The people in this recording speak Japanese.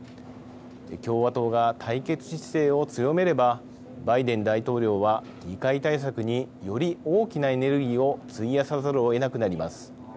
共和党が対決姿勢を強めればバイデン大統領は議会対策により大きなエネルギーを費やさざるをえなくなります。